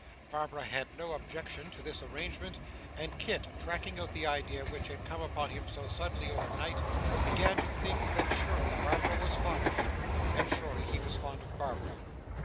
Barbara had no objection to this arrangement, and Kit, tracking out the idea which had come upon him so suddenly overnight, began to think that surely Barbara was fond of him, and surely he was fond of Barbara.